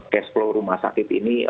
cashflow rumah sakit ini